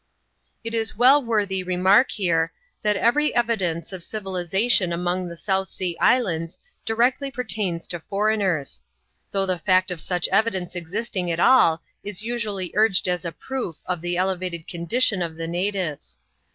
It is well worthy remark here, that every evidence of civi Miation among the South Sea Islands directly pertains to foreigners ; though the fact of such evidence existing at all is usually urged as a proof of the elevated condition of the natives.